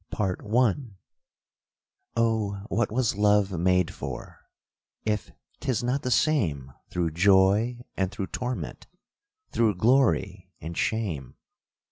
CHAPTER XX Oh what was love made for, if 'tis not the same Through joy and through torment, through glory and shame!